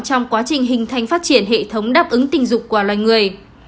trong quá trình hình thành phát triển hệ thống đáp ứng tình dục của loài người